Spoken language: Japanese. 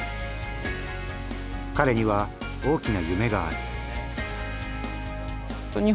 彼には大きな夢がある。